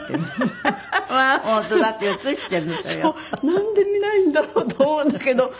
なんで見ないんだろう？と思うんだけど。